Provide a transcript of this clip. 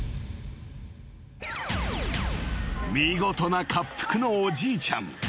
［見事なかっぷくのおじいちゃん］